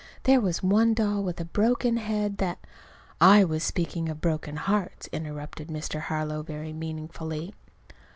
"There was one doll with a broken head that " "I was speaking of broken hearts," interrupted Mr. Harlow, very meaningfully.